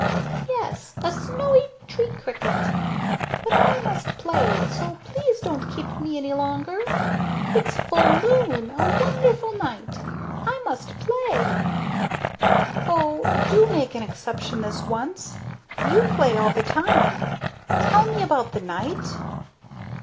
"Yes, a snowy tree cricket. But I must play, so please don't keep me any longer. It's full moon, a wonderful night. I must play." "Oh, do make an exception this once. You play all the time. Tell me about the night."